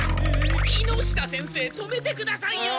木下先生止めてくださいよ。